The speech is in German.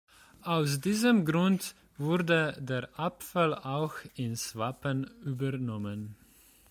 Aus diesem Grund wurde der Apfel auch ins Wappen übernommen.